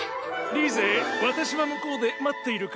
リーゼ私は向こうで待っているから。